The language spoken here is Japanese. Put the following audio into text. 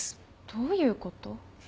どういうこと？